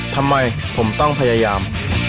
ทำไมผมต้องพยายาม